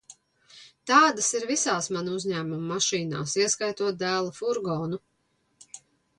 Tādas ir visās mana uzņēmuma mašīnās, ieskaitot dēla furgonu.